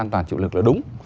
an toàn chịu lực là đúng